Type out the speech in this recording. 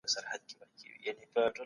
د بیوروکراسۍ کمول د ودي لامل دی.